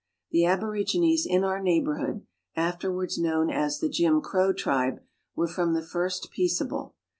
The aborigines in our neighbourhood (afterwards known as the "Jim Crow" tribe) were from the first peaceable.